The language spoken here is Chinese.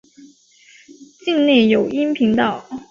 境内有阴平道。